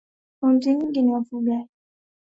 Kaunti nyingi za wafugaji